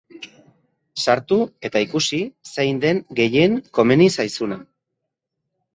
Sartu eta ikusi zein den gehien komeni zaizuna.